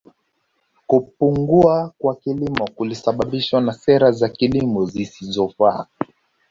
Kupungua kwa kilimo kulisababishwa na sera za kilimo zisizofaa